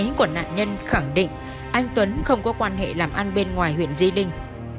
các mối quan hệ làm ăn của nạn nhân khẳng định anh tuấn không có quan hệ làm ăn bên ngoài huyện di linh